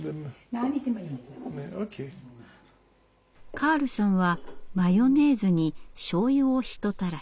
カールさんはマヨネーズにしょうゆをひとたらし。